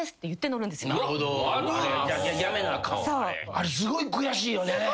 あれすごい悔しいよね。